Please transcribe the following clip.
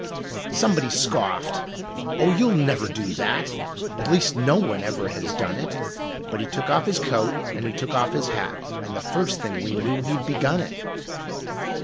Somebody scoffed: "Oh, you'll never do that; At least no one ever has done it"; But he took off his coat and he took off his hat, And the first thing we knew he'd begun it.